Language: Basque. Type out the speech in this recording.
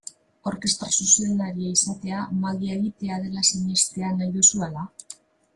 Orkestra zuzendaria izatea magia egitea dela sinestea nahi duzu, ala?